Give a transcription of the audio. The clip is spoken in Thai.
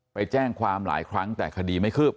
ไปแจ้งความหลายครั้งแต่คดีไม่คืบ